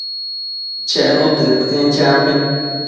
Chenu tëdquën, champi